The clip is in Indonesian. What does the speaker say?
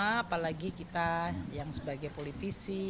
apalagi kita yang sebagai politisi